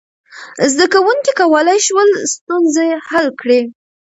زده کوونکي کولی شول ستونزه حل کړي.